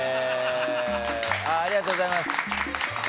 ありがとうございます。